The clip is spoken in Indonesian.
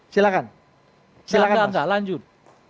silahkan silahkan mas enggak enggak lanjut